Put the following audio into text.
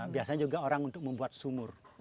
biasanya juga orang untuk membuat sumur